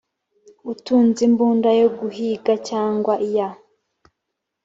utunze imbunda yo guhiga cyangwa iya